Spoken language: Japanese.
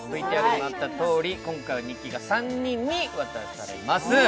ＶＴＲにあったとおり今回は日記が３人に渡されます。